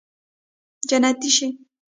جنتي شې